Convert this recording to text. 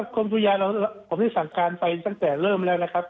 กรมธุยาเราผมได้สั่งการไปตั้งแต่เริ่มแล้วนะครับ